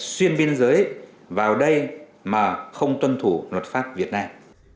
xuyên biên giới vào đây mà không tuân thủ luật pháp việt nam